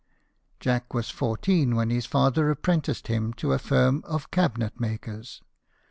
Jack was fourteen when his father appren ticed him to a firm of cabinet makers.